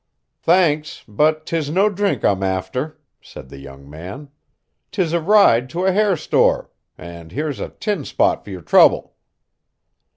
"Thanks, but 'tis no drink I'm afther," said the young man. "'Tis a ride to a hair store, an' here's a tin spot fer yer trouble."